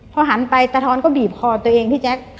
พอหันไปตะทอนก็บีบคอตัวเองพี่แจ๊ค